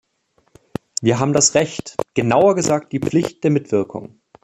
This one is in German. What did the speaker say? Wir haben das Recht genauer gesagt die Pflicht der Mitwirkung.